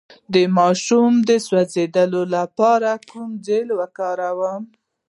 د ماشوم د سوځیدو لپاره کوم جیل وکاروم؟